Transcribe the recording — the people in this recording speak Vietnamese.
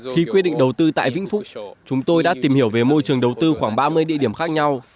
khi quyết định đầu tư tại vĩnh phúc chúng tôi đã tìm hiểu về môi trường đầu tư khoảng ba mươi địa điểm khác nhau